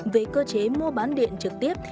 về cơ chế mua bán điện trực tiếp